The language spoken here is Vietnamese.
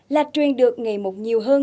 là truyền được ngày một nhiều hơn